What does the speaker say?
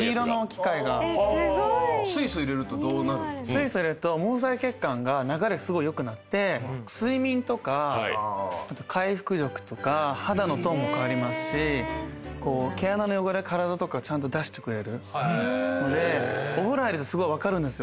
水素入れると毛細血管が流れすごい良くなって睡眠とか回復力とか肌のトーンも変わりますし毛穴の汚れ体とかちゃんと出してくれるのでお風呂入るとすごい分かる。